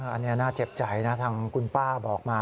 อันนี้น่าเจ็บใจนะทางคุณป้าบอกมา